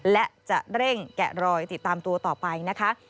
และจะเร่งแกะรอยติดตามตัวต่อไปนะคะ